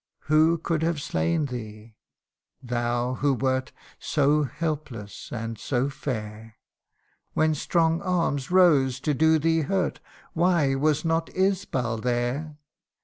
Who could have slain thee, thou who wert So helpless and so fair ? When strong arms rose to do thee hurt, Why was not Isbal there